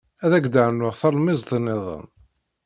Ad ak-d-rnuɣ talemmiẓt niḍen.